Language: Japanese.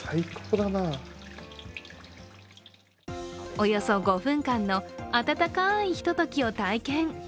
およそ５分間の温かいひとときを体験。